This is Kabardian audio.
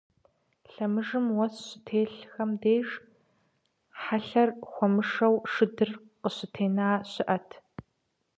Лъэмыжым уэс щытелъхэм деж, хьэлъэр хуэмышэу, шыдыр къыщытенэ щыӀэт.